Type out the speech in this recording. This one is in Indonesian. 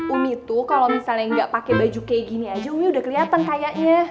umi tuh kalau misalnya nggak pakai baju kayak gini aja umi udah kelihatan kayaknya